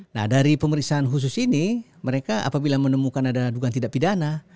nah dari pemeriksaan khusus ini mereka apabila menemukan ada dugaan tidak pidana